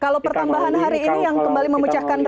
kalau pertambahan hari ini yang kembali memenuhi kebanyakan orang